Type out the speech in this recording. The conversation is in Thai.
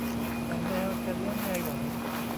แต่แมวจะเลี้ยงไงไหว